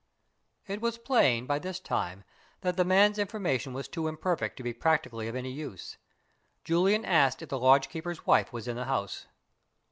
It was plain, by this time, that the man's information was too imperfect to be practically of any use. Julian asked if the lodge keeper's wife was in the house.